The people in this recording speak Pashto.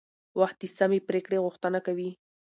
وخت د سمې پریکړې غوښتنه کوي